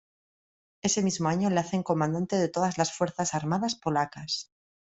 Ese mismo año le hacen comandante de todas las fuerzas armadas polacas.